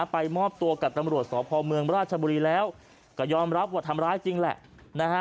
ไปมอบตัวกับตำรวจสพเมืองราชบุรีแล้วก็ยอมรับว่าทำร้ายจริงแหละนะฮะ